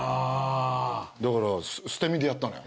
だから捨て身でやったのよ。